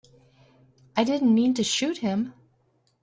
I didn't mean to shoot him.